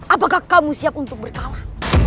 apakah kamu siap untuk berkalah